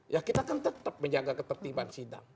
ya kita kan tetap menjaga ketertiban sidang